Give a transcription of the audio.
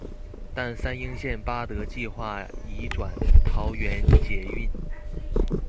但三莺线八德计画移转桃园捷运。